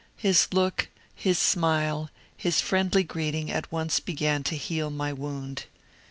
His look, his smile, his friendly greeting at once began to heal my wound.